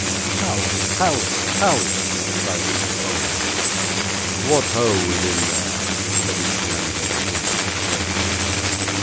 'House, house, house!' cried Mr. Folair. 'What, ho! within there,' said Mr. Lenville, in a deep voice.